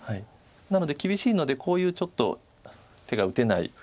なので厳しいのでこういうちょっと手が打てない。